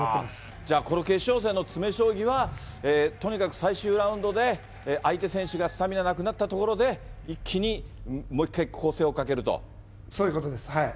じゃあ、この決勝戦の詰め将棋は、とにかく最終ラウンドで、相手選手がスタミナなくなったところで、そういうことです。